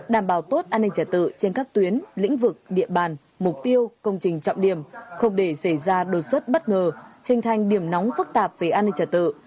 đảm bảo tốt an ninh trả tự trên các tuyến lĩnh vực địa bàn mục tiêu công trình trọng điểm không để xảy ra đột xuất bất ngờ hình thành điểm nóng phức tạp về an ninh trả tự